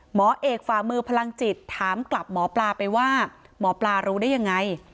หมอเอกฝ่ามือพลังจิตถามกลับหมอปลาไปว่าหมอปลารู้ได้ยังไง